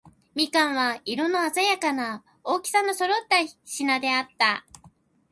蜜柑は、色のあざやかな、大きさの揃った品であった。